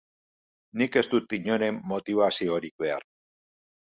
Nik ez dut inoren motibaziorik behar.